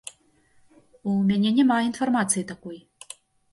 У мяне няма інфармацыі такой.